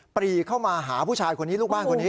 ปรีเข้ามาหาลูกบ้านหลูกบ้านคนนี้